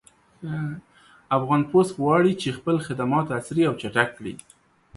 افغان پُست غواړي چې خپل خدمات عصري او چټک کړي